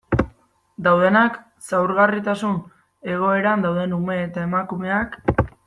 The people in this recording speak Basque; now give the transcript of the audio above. Daudenak, zaurgarritasun egoeran dauden ume eta emakumeak...